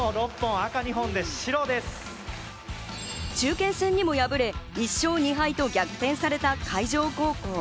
中堅戦にも敗れ、１勝２敗と逆転された海城高校。